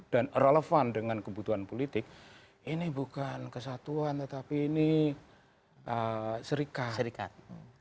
dan relevan dengan kebutuhan politik ini bukan kesatuan tetapi ini serikat